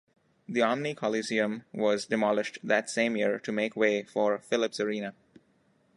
The Omni Coliseum was demolished that same year to make way for Philips Arena.